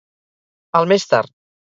Al més tard.